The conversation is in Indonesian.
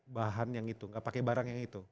bahan yang itu gak pake barang yang itu